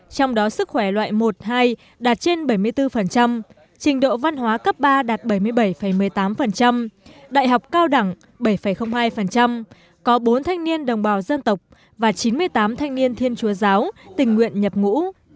trong đó sức khỏe loại một hai đạt trên bảy mươi bốn trình độ văn hóa cấp ba đạt bảy mươi bảy một mươi tám đại học cao đẳng bảy hai có bốn thanh niên đồng bào dân tộc và chín mươi tám thanh niên thiên chúa giáo tình nguyện nhập ngũ